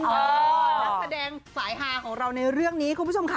นักแสดงสายฮาของเราในเรื่องนี้คุณผู้ชมค่ะ